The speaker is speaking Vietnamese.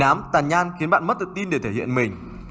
nám tàn nhan khiến bạn mất được tin để thể hiện mình